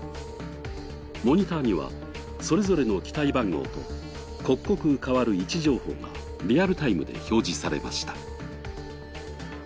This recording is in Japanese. モニターには、それぞれの機体番号と刻々変わる位置情報がリアルタイムで表示されました。